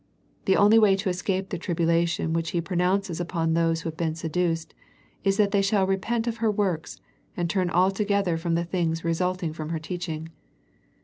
The only way to escape the tribulation which He pronounces upon those who have been seduced, is that they shall repent of her works, and turn altogether from the things resulting from her teaching.